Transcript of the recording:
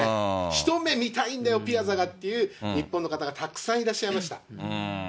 一目見たいんだよ、ピアザがっていう、日本の方がたくさんいらっしゃいました。